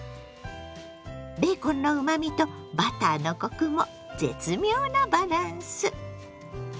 ベーコンのうまみとバターのコクも絶妙なバランス！